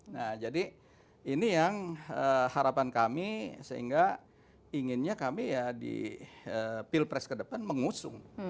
nah jadi ini yang harapan kami sehingga inginnya kami ya di pilpres ke depan mengusung